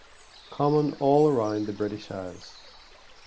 Common all around the British Isles.